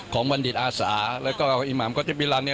ของวันดิจาศาลแล้วก็อินมารมกทพิลาร์เนี้ย